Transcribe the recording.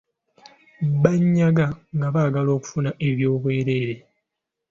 Banyaga nga baagala okufuna oby’obwereere.